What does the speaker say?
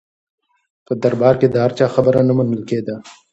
په دربار کې د هر چا خبره نه منل کېده.